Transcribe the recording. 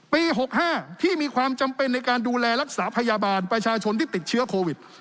ปี๖๕ที่มีความจำเป็นในการดูแลรักษาพยาบาลประชาชนที่ติดเชื้อโควิด